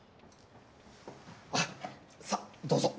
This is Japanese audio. あっさあどうぞ。